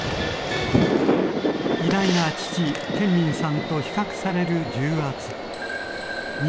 偉大な父建民さんと比較される重圧。